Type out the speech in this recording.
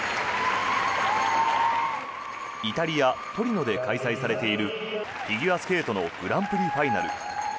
イタリア・トリノで開催されているフィギュアスケートのグランプリファイナル。